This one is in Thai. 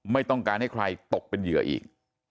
ไม่ต้องการให้ใครตกเป็นเหยื่ออีก